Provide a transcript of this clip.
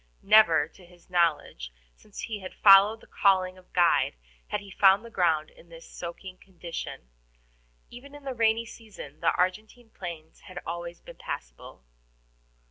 Never, to his knowledge, since he had followed the calling of guide, had he found the ground in this soaking condition. Even in the rainy season, the Argentine plains had always been passable.